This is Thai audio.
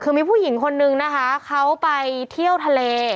คือมีผู้หญิงคนนึงนะคะเขาไปเที่ยวทะเล